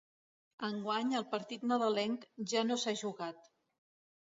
Enguany el partit nadalenc ja no s’ha jugat.